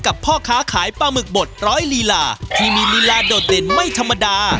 รับรองว่าสมหวังตามใจกราธนาอย่างแน่นอนค่ะ